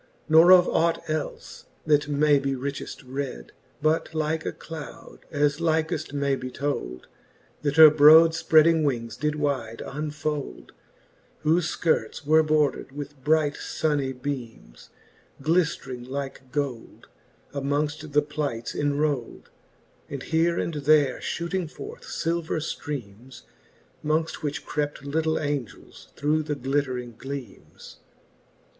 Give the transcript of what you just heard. Nor of ought elfe, that may be richeft red, But like a cloud, as likeft may be told, That her brode fpreading wings did wyde unfold ; Whofe Ikirts were bordred with bright funny beams, Gliftring like gold, amongft the plights cnrold, And here and there fhooting forth filver flreames, Mongft. which crept litle Angels through the glittering gleames.